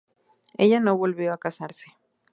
Ella no volvió a casarse.